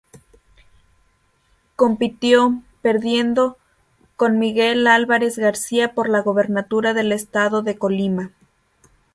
Compitió, perdiendo, con Miguel Álvarez García por la gubernatura del Estado de Colima.